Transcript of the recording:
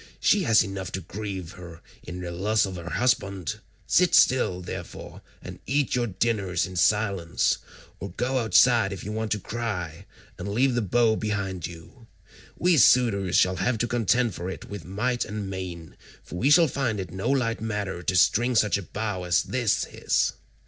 She has enough to grieve her in the loss of her husband; sit still, therefore, and eat your dinners in silence, or go outside if you want to cry, and leave the bow behind you. We suitors shall have to contend for it with might and main, for we shall find it no light matter to string such a bow as this is.